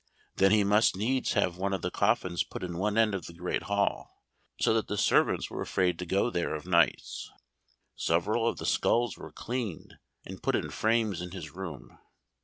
Then he must needs have one of the coffins put in one end of the great hall, so that the servants were afraid to go there of nights. Several of the skulls were cleaned and put in frames in his room.